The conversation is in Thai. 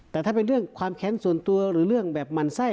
แต่ถ้าเป็นเรื่องความแค้นส่วนตัวหรือเรื่องแบบหมั่นไส้